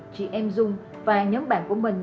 chị em dung và nhóm bạn của mình